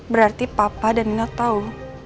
berarti papa dan nino tau